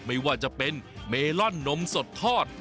ไม่ว่าจะเป็นเมลอนนมสดทอด